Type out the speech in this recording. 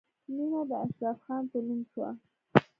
مینه د اشرف خان په نوم شوه